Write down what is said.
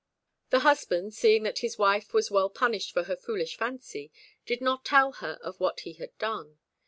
The husband, seeing that his wife was well punished for her foolish fancy, did not tell her of what he had done.